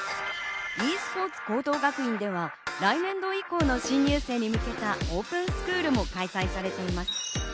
ｅスポーツ高等学院では来年度以降の新入生に向けたオープンスクールも開催されています。